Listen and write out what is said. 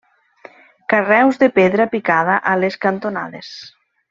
Carreus de pedra picada a les cantonades.